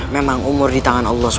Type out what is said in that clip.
memang umur di tangan allah sw